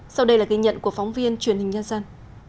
sau đây là ghi nhận của phóng viên truyền hình nhân dân